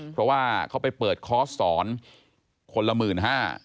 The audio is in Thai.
เพราะว่าเขาไปเปิดคอร์สสอนคนละ๑๕๐๐๐